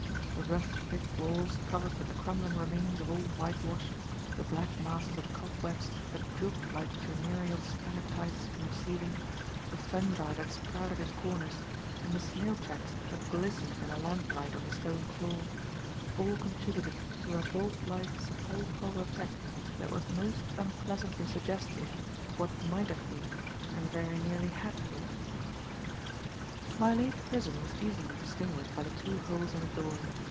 The rough brick walls, covered with the crumbling remains of old white wash, the black masses of cobwebs that drooped like funereal stalactites from the ceiling, the fungi that sprouted in corners, and the snail tracks that glistened in the lamplight on the stone floor, all contributed to a vault like sepulchral effect that was most unpleasantly suggestive of what might have been and very nearly had been. My late prison was easily distinguished by the two holes in the door.